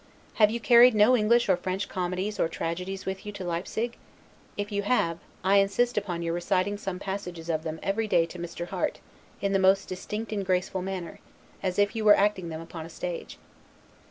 Have you carried no English or French comedies of tragedies with you to Leipsig? If you have, I insist upon your reciting some passages of them every day to Mr. Harte in the most distinct and graceful manner, as if you were acting them upon a stage.